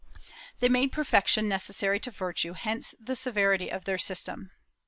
They made perfection necessary to virtue; hence the severity of their system.